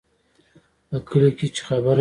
په کلي کې چې خبره شي،